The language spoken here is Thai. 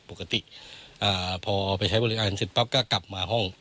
ปกติพอไปใช้บริการเสร็จปั๊บก็กลับมาห้อง